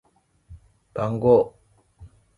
番号